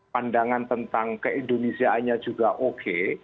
pandangan tentang keindonesiaannya juga oke